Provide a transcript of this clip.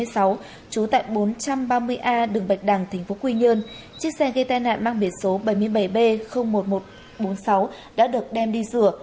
trú tại bốn trăm ba mươi a đường bạch đằng tp quy nhơn chiếc xe gây tai nạn mang biển số bảy mươi bảy b một nghìn một trăm bốn mươi sáu đã được đem đi rửa